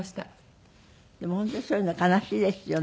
でも本当そういうのは悲しいですよね。